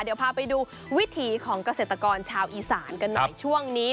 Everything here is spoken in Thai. เดี๋ยวพาไปดูวิถีของเกษตรกรชาวอีสานกันหน่อยช่วงนี้